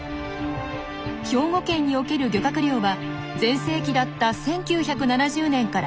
兵庫県における漁獲量は全盛期だった１９７０年から激減。